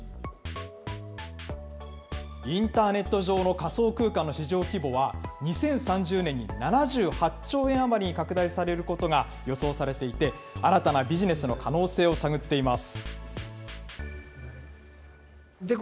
インターネット上の仮想空間の市場規模は、２０３０年に７８兆円余りに拡大されることが予想されていて、新たなビジネスの可能性を探っています。